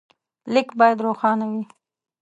لیک باید روښانه وي.